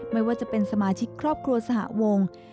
ไม่ว่าจะเป็นสมาชิกครอบครัวสหวง